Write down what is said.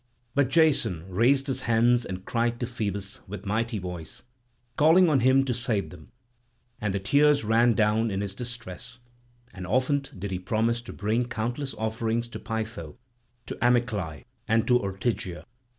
But Jason raised his hands and cried to Phoebus with mighty voice, calling on him to save them; and the tears ran down in his distress; and often did he promise to bring countless offerings to Pytho, to Amyclae, and to Ortygia.